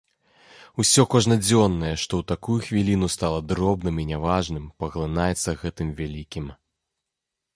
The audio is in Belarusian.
Усё кожнадзённае, што ў такую хвіліну стала дробным і не важным, паглынаецца гэтым вялікім.